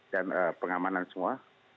dan pengamanan semua